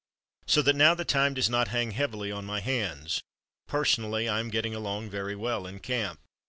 So that now the time does not hang heavily on my hands. Personally I am getting along very well in camp."